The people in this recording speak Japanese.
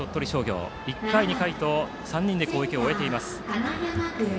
１回、２回と３人で攻撃を終えています。